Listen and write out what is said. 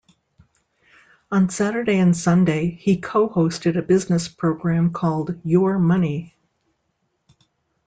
On Saturday and Sunday he co-hosted a business program called "Your Money".